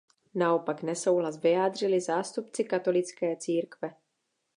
Naopak nesouhlas vyjádřili zástupci katolické církve.